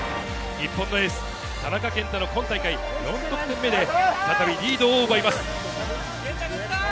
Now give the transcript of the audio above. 日本のエース、田中健太の今大会４得点目で、再びリードを奪います。